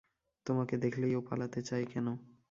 তোমাকে দেখলেই ও পালাতে চায় কেন।